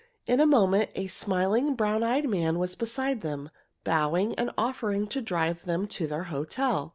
In a moment a smiling, brown eyed man was beside them, bowing and offering to drive them to their hotel.